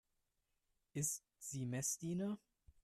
Ist sie Messdiener?